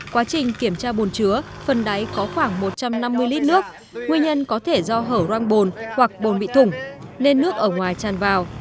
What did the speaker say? quá trình kiểm tra bồn chứa phần đáy có khoảng một trăm năm mươi lít nước nguyên nhân có thể do hở răng bồn hoặc bồn bị thủng nên nước ở ngoài tràn vào